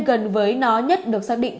gần với nó nhất được xác định